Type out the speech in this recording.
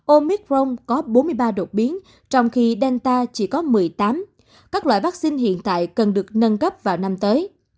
omic rong có bốn mươi ba đột biến trong khi delta chỉ có một mươi tám các loại vaccine hiện tại cần được nâng cấp vào năm tới